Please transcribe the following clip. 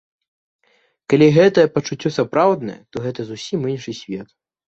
Калі гэтае пачуццё сапраўднае, то гэта зусім іншы свет.